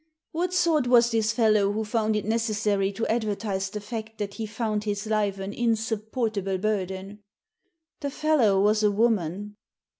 What sort was this fellow who found it necessary to advertise the fact that he found his life an insup portable burden ?"" The fellow was a woman."